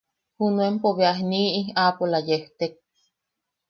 Junuenpo beja niʼi aapola yejtek.